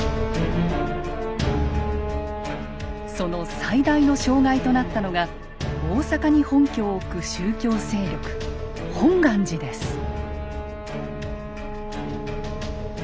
その最大の障害となったのが大坂に本拠を置く宗教勢力本願寺です。